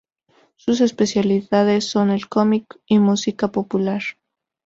Sus especialidades son el cómic y música popular.